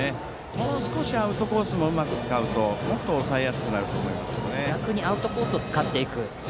もう少しアウトコースもうまく使うともっと抑えやすくなると思います。